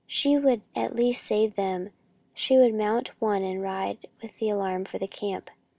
She would at least save them. She would mount one and ride with the alarm for the camp.